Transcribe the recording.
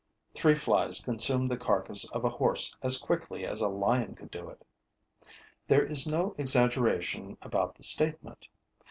[Three flies consume the carcass of a horse as quickly as a lion could do it.] There is no exaggeration about the statement.